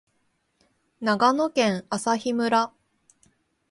長野県朝日村